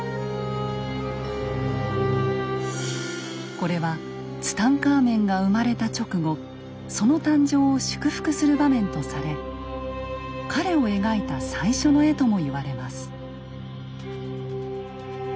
これはツタンカーメンが生まれた直後その誕生を祝福する場面とされ彼を描いた最初の絵とも言われます。